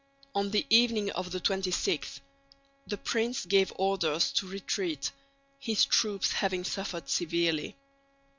On the evening of the 26th the prince gave orders to retreat, his troops having suffered severely.